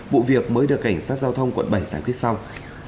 vụ việc mới được cảnh sát giao thông quận bảy giải quyết xong